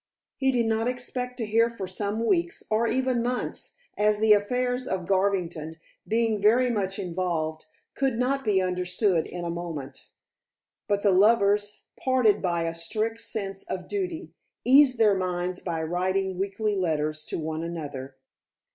He did not expect to hear for some weeks, or even months, as the affairs of Garvington, being very much involved, could not be understood in a moment. But the lovers, parted by a strict sense of duty, eased their minds by writing weekly letters to one another.